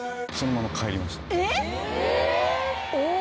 えっ！？